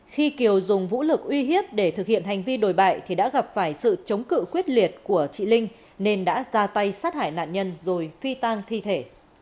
khi kiều dùng vũ lực uy hiếp để thực hiện hành vi đồi bại thì đã gặp phải sự chống cự quyết liệt của chị linh nên đã ra tay sát hại nạn nhân rồi phi tang thi thể